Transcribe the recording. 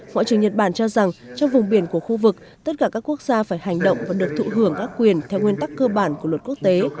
ngoại trưởng nhật bản cho rằng trong vùng biển của khu vực tất cả các quốc gia phải hành động và được thụ hưởng các quyền theo nguyên tắc cơ bản của luật quốc tế